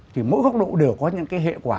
thì mỗi góc độ đều có những cái hệ quả